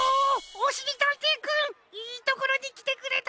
おしりたんていくんいいところにきてくれた。